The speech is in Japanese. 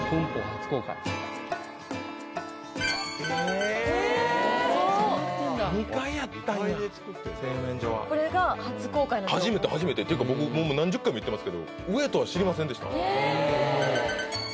初めて初めて！っていうか僕もう何十回も行ってますけど上とは知りませんでした